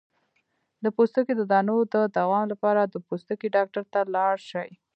د پوستکي د دانو د دوام لپاره د پوستکي ډاکټر ته لاړ شئ